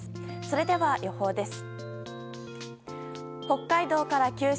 それでは予報です。